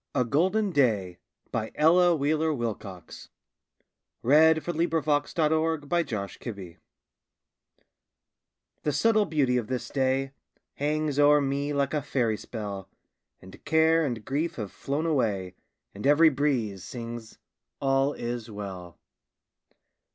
A Golden Day An Ella Wheeler Wilcox Poem A GOLDEN DAY The subtle beauty of this day Hangs o'er me like a fairy spell, And care and grief have flown away, And every breeze sings, "All is well."